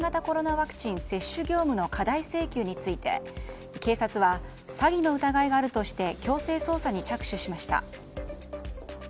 ワクチン接種業務の過大請求について警察は、詐欺の疑いがあるとして強制捜査に着手しました。